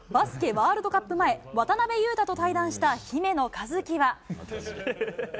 ワールドカップ前、渡邊雄太と対談した姫野和樹は。